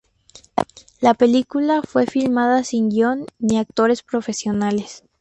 La película fue filmada sin guion ni actores profesionales.